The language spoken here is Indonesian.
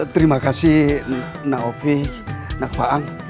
terima kasih naopi nak faang